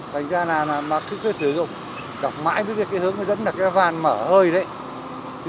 thành ra là mà cứ sử dụng đọc mãi với cái hướng nó dẫn là cái vàn mở hơi đấy